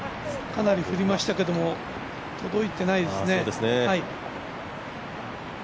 かなり振りましたけど届いてないですね。